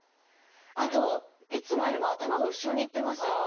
あといつもよりも頭が後ろにいってます。